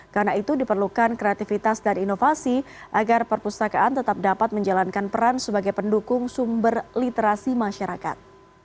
karena itu diperlukan kreativitas dan inovasi agar perpustakaan tetap dapat menjalankan peran sebagai pendukung sumber literasi masyarakat